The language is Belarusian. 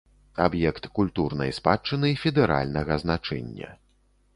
Аб'ект культурнай спадчыны федэральнага значэння.